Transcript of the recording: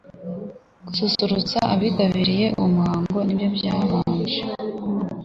Gususurutsa abitabiriye uwo muhango nibyo byabanje